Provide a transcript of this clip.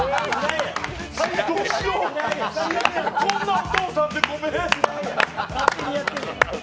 どうしよう、こんなお父さんでごめん。